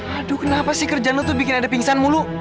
aduh kenapa sih kerjaan lu tuh bikin ada pingsan mulu